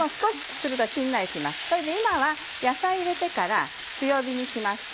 それで今は野菜入れてから強火にしました。